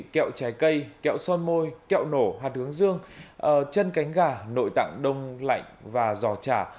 kẹo trái cây kẹo son môi kẹo nổ hạt hướng dương chân cánh gà nội tạng đông lạnh và giò chả